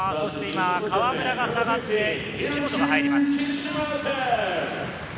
河村が下がって岸本が入ります。